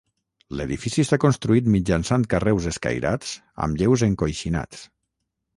L'edifici està construït mitjançant carreus escairats amb lleus encoixinats.